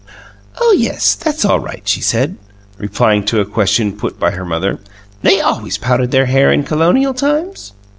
"Oh, yes, that's all right," she said, replying to a question put by her mother. "They always powdered their hair in Colonial times."